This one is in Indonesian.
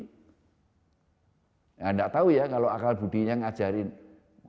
ya enggak tahu ya kalau akal budinya ngajarin